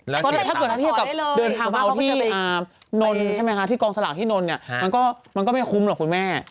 แล้วถ้าเกิดทางที่อยากกลับเดินพาเบาที่นนท์ใช่ไหมคะที่กองสลักที่นนท์เนี่ยมันก็ไม่คุ้มหรอกคุณแม่